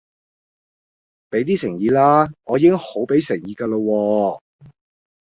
俾啲誠意啦，我已經好俾誠意㗎啦喎